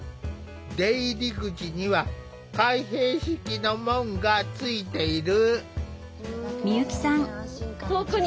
出入り口には開閉式の門がついている。